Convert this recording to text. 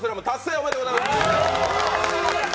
おめでとうございます。